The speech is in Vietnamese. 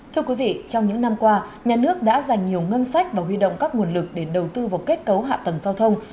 thưa quý vị trong những năm qua nhà nước đã dành nhiều ngân sách và huy động các nguồn lực để đầu tư vào kết cấu hạ tầng giao thông